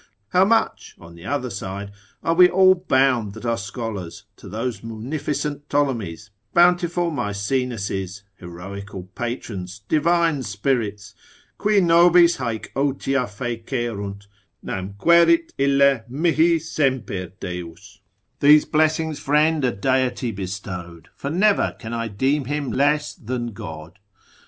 How much, on the other side, are all we bound that are scholars, to those munificent Ptolemies, bountiful Maecenases, heroical patrons, divine spirits, ———qui nobis haec otio fecerunt, namque erit ille mihi semper Deus——— These blessings, friend, a Deity bestow'd, For never can I deem him less than God.